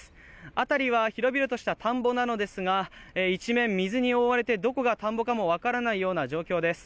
あたりは広々とした田んぼなのですが一面水に追われてどこが田んぼかもわからないような状況です。